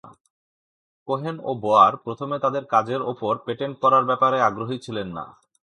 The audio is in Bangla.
কোহেন ও বোয়ার প্রথমে তাদের কাজের ওপর পেটেন্ট করার ব্যাপারে আগ্রহী ছিলেন না।